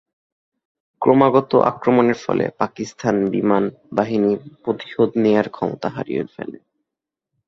ক্রমাগত আক্রমণের ফলে পাকিস্তান বিমান বাহিনী প্রতিশোধ নেওয়ার ক্ষমতা হারিয়ে পেলে।